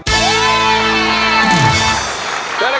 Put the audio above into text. เจอละครับ